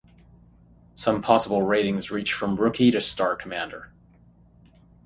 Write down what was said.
Some possible ratings reach from "Rookie" to "Star Commander".